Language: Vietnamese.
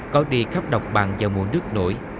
có đi khắp độc bằng vào mùa nước nổi